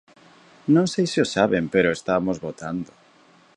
Non sei se o saben, pero estamos votando.